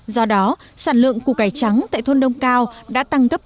do đó sản lượng củ cải trắng tại thôn đông cao và khoảng tám mươi hectare trồng củ cải trắng